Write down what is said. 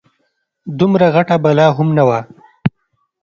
دومره غټه بلا هم نه وه.